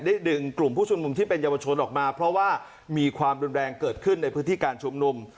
ดึงกลุ่มผู้ชุมนุมที่เป็นเยาวชนออกมาเพราะว่ามีความรุนแรงเกิดขึ้นในพื้นที่การชุมนุม